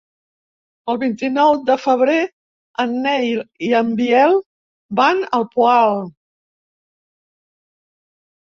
El vint-i-nou de febrer en Nel i en Biel van al Poal.